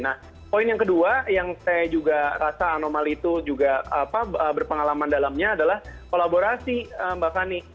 nah poin yang kedua yang saya juga rasa anomali itu juga berpengalaman dalamnya adalah kolaborasi mbak fani